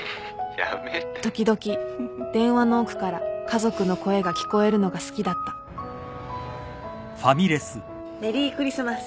時々電話の奥から家族の声が聞こえるのが好きだったメリークリスマス。